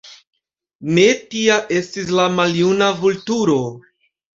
Ne tia estis la maljuna Vulturo.